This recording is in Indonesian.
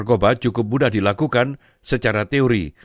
narkoba cukup mudah dilakukan secara teori